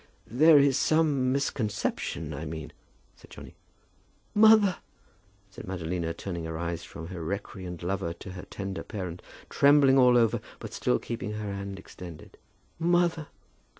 "There is some misconception, I mean," said Johnny. "Mother!" said Madalina, turning her eyes from her recreant lover to her tender parent; trembling all over, but still keeping her hand extended. "Mother!"